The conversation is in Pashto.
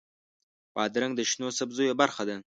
بادرنګ د شنو سبزیو برخه ده.